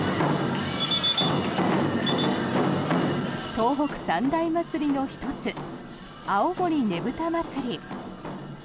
東北三大祭りの１つ青森ねぶた祭り。